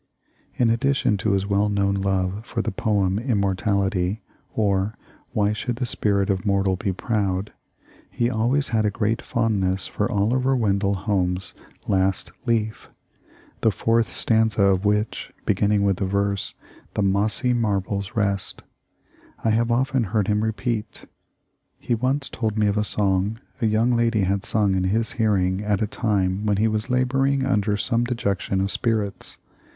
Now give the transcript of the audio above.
In addition to his well known love for the poem "Immortality" or "Why should the Spirit of Mortal be Proud," he always had a great fondness for Oliver Wendell Holmes' "Last Leaf," the fourth stanza of which, beginning with the verse, "The mossy marbles rest," I have often heard him repeat. He once told me of a song a young lady had sung in his hearing at a time when he was laboring under some dejection of spirits.